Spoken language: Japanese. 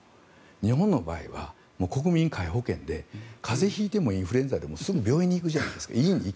日本の場合は国民皆保険で風邪ひいてもインフルエンザでもすぐ病院に行くじゃないですか。